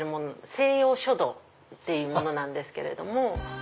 西洋書道っていうものなんです。